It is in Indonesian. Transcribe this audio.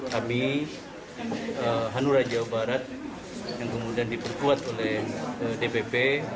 kami hanura jawa barat yang kemudian diperkuat oleh dpp